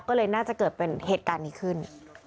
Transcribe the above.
ก็เลยน่าจะเกิดเป็นเหตุการณ์นี้ขึ้น